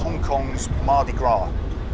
ini menjadi mardi gras di hongkong